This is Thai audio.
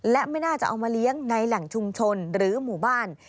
และไม่น่าจะเอามาเลี้ยงในแหล่งชุมชนหรือหมู่บ้าน